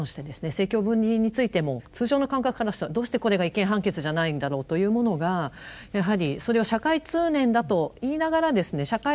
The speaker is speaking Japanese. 政教分離についても通常の感覚からしたらどうしてこれが違憲判決じゃないんだろうというものがやはりそれは社会通念だと言いながらですね